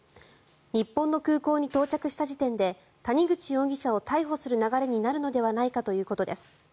日本の空港に到着した時点で谷口容疑者を逮捕する流れになるのではないかということです。